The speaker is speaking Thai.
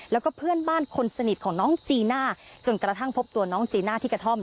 แล้วก็เพื่อนบ้านคนสนิทของน้องจีน่าจนกระทั่งพบตัวน้องจีน่าที่กระท่อม